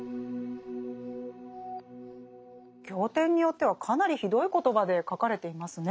経典によってはかなりひどい言葉で書かれていますね。